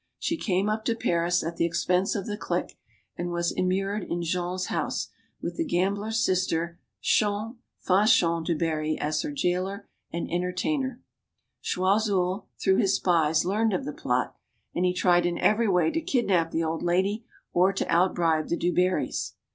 She came up to Paris, at the expense of the clique, and was immured in Jean's house, with the gambler's sister, Chon (Fanchon) du Barry as her jailer and entertainer. Choiseul, through his spies, learned of the plot, and he tried in every way to kidnap the old lady or to out bribe the du Barrys.